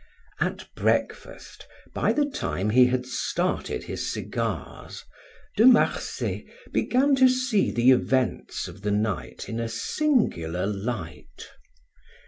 At breakfast, by the time he had started his cigars, De Marsay began to see the events of the night in a singular light.